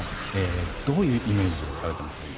どういうイメージをされていますか？